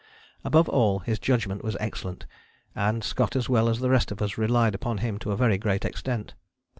Above all his judgment was excellent, and Scott as well as the rest of us relied upon him to a very great extent.